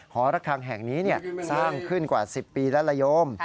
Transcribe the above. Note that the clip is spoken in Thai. หอระคังแห่งนี้สร้างขึ้นกว่า๑๐ปีแล้วละโยม